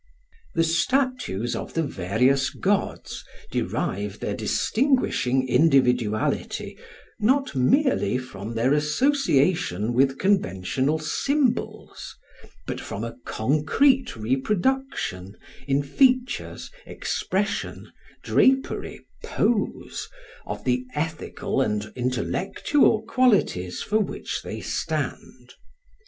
The statues of the various gods derive their distinguishing individuality not merely from their association with conventional symbols, but from a concrete reproduction, in features, expression, drapery, pose, of the ethical and intellectual qualities for which they stand.